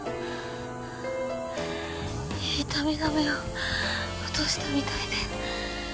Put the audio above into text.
はぁ痛み止めを落としたみたいで。